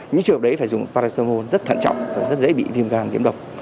những trường hợp đấy phải dùng paracetamol rất thận trọng và rất dễ bị viêm gan diễm độc